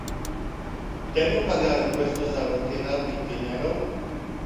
¿Debo pagar impuestos al retirar mi dinero?